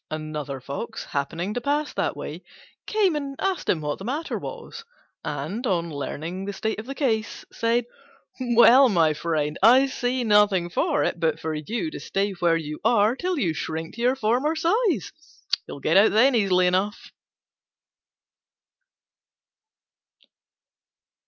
Another Fox, happening to pass that way, came and asked him what the matter was; and, on learning the state of the case, said, "Well, my friend, I see nothing for it but for you to stay where you are till you shrink to your former size; you'll get out then easily enough."